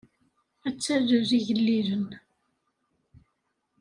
Ad talel igellilen.